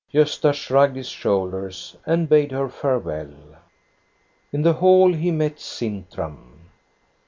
Gosta shrugged his shoulders and bade her fare well. In the hall he met Sintram.